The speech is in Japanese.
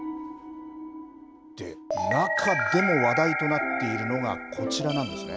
で、中でも話題となっているのがこちらなんですね。